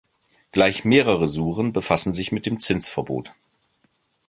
Gleich mehrere Suren befassen sich mit dem Zinsverbot.